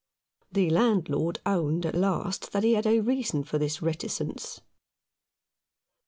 The landlord owned at last that he had a reason for this reticence.